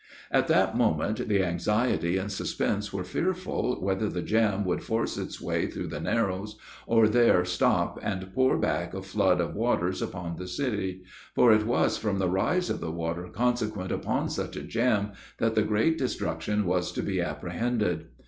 At that moment, the anxiety and suspense were fearful whether the jam would force its way through the narrows, or there stop and pour back a flood of waters upon the city; for it was from the rise of the water consequent upon such a jam that the great destruction was to be apprehended.